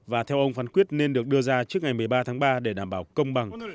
và theo ông phán quyết nên được đưa ra trước ngày một mươi ba tháng ba để đảm bảo công bằng